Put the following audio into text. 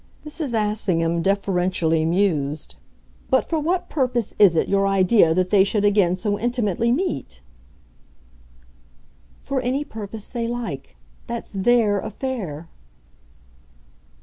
Mrs. Assingham deferentially mused. "But for what purpose is it your idea that they should again so intimately meet?" "For any purpose they like. That's THEIR affair."